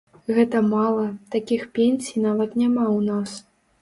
Гэта мала, такіх пенсій нават няма ў нас.